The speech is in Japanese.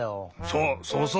そうそうそう！